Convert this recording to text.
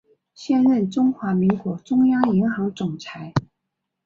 现任中华民国中央银行总裁。